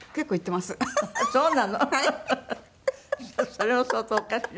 それも相当おかしい。